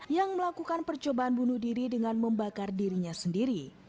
yang melakukan percobaan bunuh diri dengan membakar dirinya sendiri